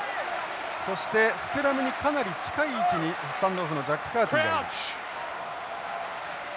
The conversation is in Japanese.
そしてスクラムにかなり近い位置にスタンドオフのジャックカーティがいる。